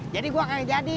jadi gua kagak jadi